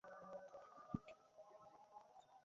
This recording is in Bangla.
তারপর বলেছেন যে, একথা কাউকে জানতে দিও না।